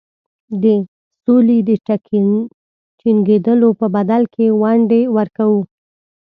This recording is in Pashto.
د سولي د ټینګېدلو په بدل کې ونډې ورکوو.